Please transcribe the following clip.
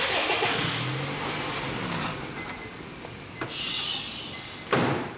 よし。